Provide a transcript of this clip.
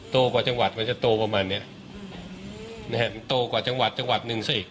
โตกว่าจังหวัดกว่าจะโตประมาณเนี้ยนะฮะโตกว่าจังหวัดจังหวัดหนึ่งซะอีก